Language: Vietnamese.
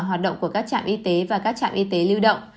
hoạt động của các trạm y tế và các trạm y tế lưu động